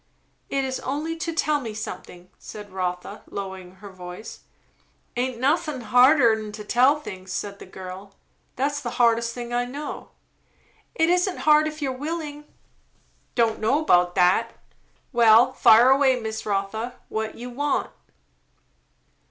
"It is only, to tell me something," said Rotha lowering her voice. "Aint nothin' harder 'n to tell things," said the girl. "That's the hardest thing I know." "It isn't hard, if you are willing." "Don' know about that. Well, fire away, Miss Rotha. What you want?"